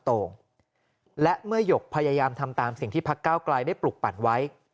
ตรงและเมื่อหยกพยายามทำตามสิ่งที่พักเก้าไกลได้ปลุกปั่นไว้